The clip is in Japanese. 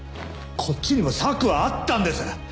こっちにも策はあったんです。